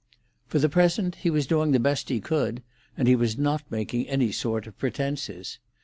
For the present he was doing the best he could, and he was not making any sort of pretences.